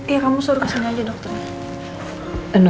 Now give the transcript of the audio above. ya kamu suruh kesini aja dokternya